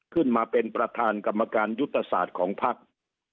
ขึ้นมาเป็นประธานกรรมการยุทธศาสตร์ของภักดิ์